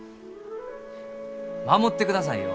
守ってくださいよ。